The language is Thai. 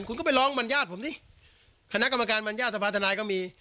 คุณก็ไปร้องบรรยาทผมสิคณะกรรมการบรรยาทสภาธนายก็มี